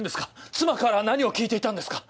妻から何を聞いていたんですか？